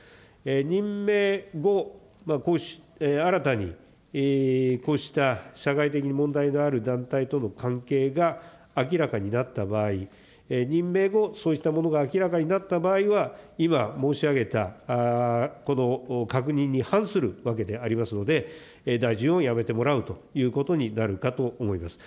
任命後、新たにこうした社会的に問題がある団体との関係が明らかになった場合、任命後、そうしたものが明らかになった場合は、今、申し上げた、この確認に反するわけでありますので、大臣を辞めてもらうということになるかと思います。